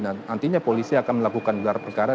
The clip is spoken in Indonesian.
nantinya polisi akan melakukan gelar perkara